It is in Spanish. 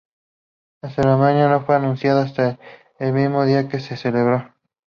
La ceremonia no fue anunciada hasta el mismo día en que se celebró.